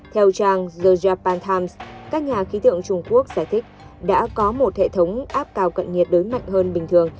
theo trang the japan times các nhà khí tượng trung quốc giải thích đã có một hệ thống áp cao cận nhiệt đới mạnh hơn bình thường